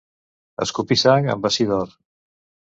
Escopir sang en bací d'or.